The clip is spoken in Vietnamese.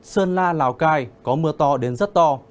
sơn la lào cai có mưa to đến rất to